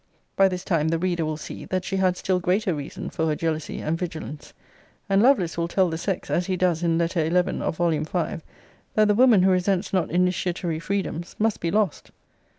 By this time the reader will see, that she had still greater reason for her jealousy and vigilance. And Lovelace will tell the sex, as he does in Letter XI. of Vol. V., that the woman who resents not initiatory freedoms, must be lost.